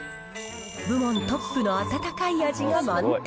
部門トップの温かい味が満点。